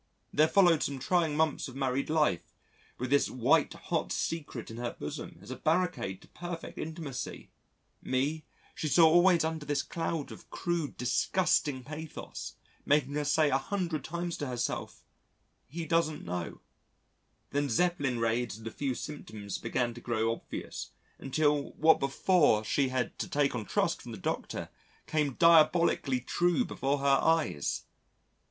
There followed some trying months of married life with this white hot secret in her bosom as a barricade to perfect intimacy; me she saw always under this cloud of crude disgusting pathos making her say a hundred times to herself: "He doesn't know;" then Zeppelin raids and a few symptoms began to grow obvious, until what before she had to take on trust from the Doctor came diabolically true before her eyes.